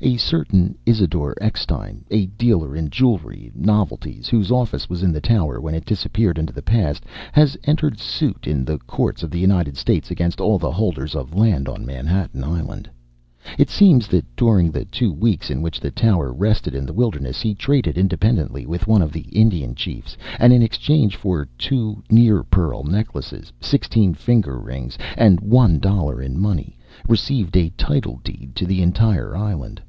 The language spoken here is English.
A certain Isidore Eckstein, a dealer in jewelry novelties, whose office was in the tower when it disappeared into the past, has entered suit in the courts of the United States against all the holders of land on Manhattan Island. It seems that during the two weeks in which the tower rested in the wilderness he traded independently with one of the Indian chiefs, and in exchange for two near pearl necklaces, sixteen finger rings, and one dollar in money, received a title deed to the entire island.